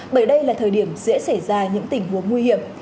bởi đây là thời điểm dễ xảy ra những tình huống nguy hiểm